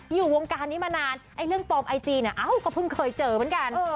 อยู่วงการนี้มานานไอ้เรื่องปลอมไอจีเนี่ยเอ้าก็เพิ่งเคยเจอเหมือนกัน